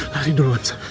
lari duluan sa